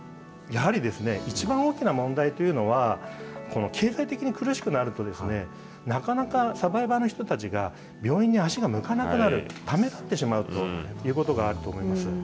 やはり、一番大きな問題というのは、経済的に苦しくなると、なかなかサバイバーの人たちが、病院に足が向かなくなる、ためらってしまうということがあると思います。